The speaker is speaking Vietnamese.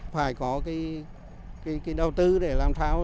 phải có đầu tư để làm tháo